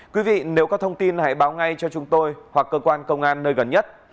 quý vị nếu có thông tin hãy báo ngay cho chúng tôi hoặc cơ quan công an nơi gần nhất